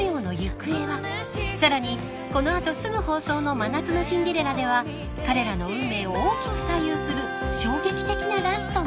［さらにこの後すぐ放送の『真夏のシンデレラ』では彼らの運命を大きく左右する衝撃的なラストが］